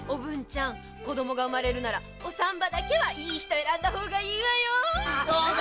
子供が生まれるならお産婆だけはいい人選んだ方がいいわよ！